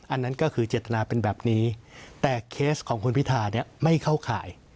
อันนั้นก็คือเจตนาเป็นแบบนี้แต่เคสของคุณพิธาเนี่ยไม่เข้าข่าย